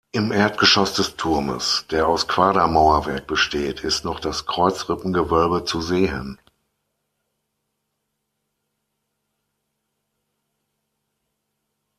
Im Erdgeschoss des Turmes, der aus Quadermauerwerk besteht, ist noch das Kreuzrippengewölbe zu sehen.